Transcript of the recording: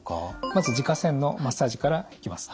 まず耳下腺のマッサージからいきます。